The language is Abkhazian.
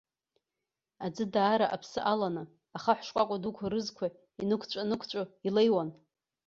Аӡы даара аԥсы аланы, ахаҳә шкәакәа дуқәа рызқәа инықәҵәа-нықәҵәо илеиуан.